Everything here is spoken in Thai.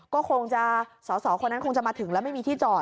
ก็คงจะสอสอคนนั้นคงจะมาถึงแล้วไม่มีที่จอด